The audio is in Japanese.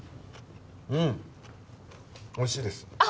うんおいしいですあっ